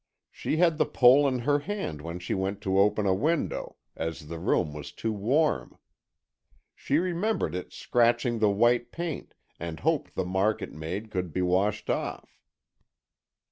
She had the pole in her hand when she went to open a window, as the room was too warm. She remembered its scratching the white paint, and hoped the mark it made could be washed off."